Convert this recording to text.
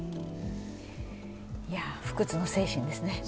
不屈の精神ですね。